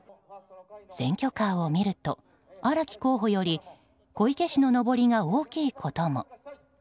選挙カーを見ると、荒木候補より小池氏ののぼりが大きいことも。